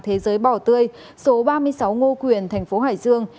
thế giới bỏ tươi số ba mươi sáu ngô quyền tp hải dương